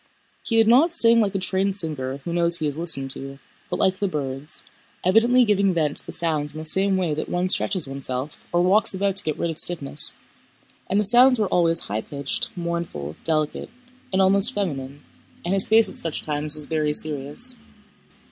He did not sing like a trained singer who knows he is listened to, but like the birds, evidently giving vent to the sounds in the same way that one stretches oneself or walks about to get rid of stiffness, and the sounds were always high pitched, mournful, delicate, and almost feminine, and his face at such times was very serious.